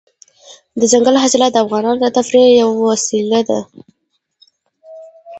دځنګل حاصلات د افغانانو د تفریح یوه وسیله ده.